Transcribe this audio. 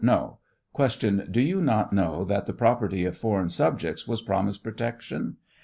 No. Q. Do you not know that the property of foreign subjects was promised protection